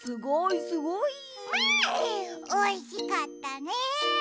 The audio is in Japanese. おいしかったね！